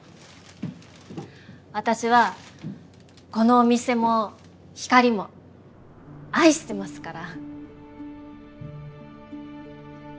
私はこのお店も光も愛してますから。